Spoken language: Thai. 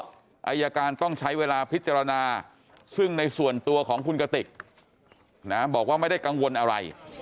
อายการต้องใช้เวลาพิจารณาซึ่งในส่วนตัวของคุณกติกบอกว่าไม่ได้กังวลอะไร